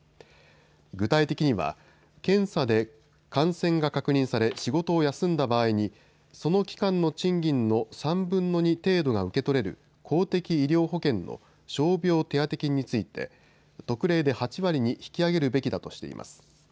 具体的には、検査で感染が確認され仕事を休んだ場合に、その期間の賃金の３分の２程度が受け取れる公的医療保険の傷病手当金について、特例で８割に引き上げるべきだとしています。